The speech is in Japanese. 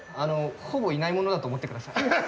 ほぼいないものだと思って下さい。